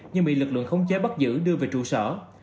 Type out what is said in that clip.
nhưng bị lực lượng khống chế bắt giữ đưa về trụ sở